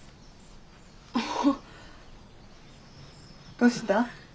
どうした？